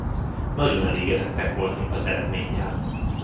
Nagyon elégedettek voltunk az eredménnyel.